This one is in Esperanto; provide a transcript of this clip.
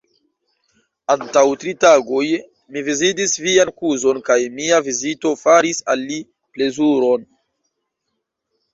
Antaŭ tri tagoj mi vizitis vian kuzon kaj mia vizito faris al li plezuron.